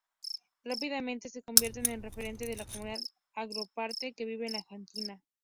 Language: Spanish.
Rápidamente se convierte en referente de la comunidad angloparlante que vive en Argentina.